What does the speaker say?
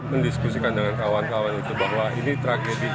mendiskusikan dengan kawan kawan itu bahwa ini tragedi